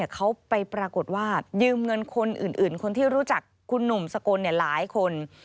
เขาไปปรากฏว่ายืมเงินคนอื่นคนที่รู้จักคุณหนุ่มสกลหลายคน